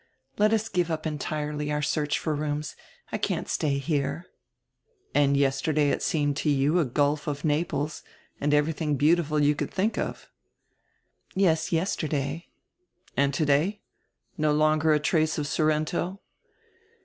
Let us give up entirely our search for rooms. I can't stay here." "And yesterday it seemed to you a Gulf of Naples and everything heautiful you could diink of." "Yes, yesterday." "And today? No longer a trace of Sorrento?"